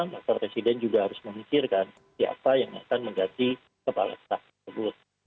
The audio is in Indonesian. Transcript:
bapak presiden juga harus memikirkan siapa yang akan mengganti kepala staf tersebut